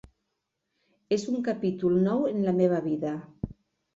És un capítol nou en la meva vida.